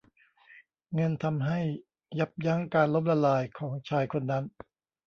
เงินทำให้ยับยั้งการล้มละลายของชายคนนั้น